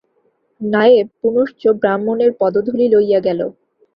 নায়েব পুনশ্চ ব্রাহ্মণের পদধূলি লইয়া গেল।